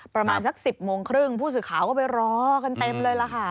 ประมาณสัก๑๐โมงครึ่งผู้สื่อข่าวก็ไปรอกันเต็มเลยล่ะค่ะ